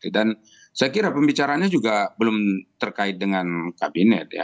dan saya kira pembicaranya juga belum terkait dengan kabinet